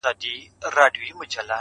دغو د دین دوښمنانو ته وګورئ